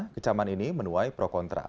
kecaman ini menuai pro kontra